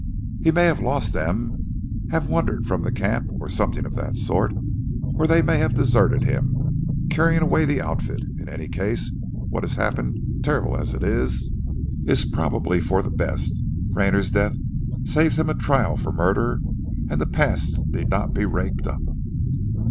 "He may have lost them, have wandered from the camp or something of that sort. Or they may have deserted him, carrying away the outfit. In any case what has happened, terrible as it is, is probably for the best. Rayner's death saves him a trial for murder, and the past need not be raked up."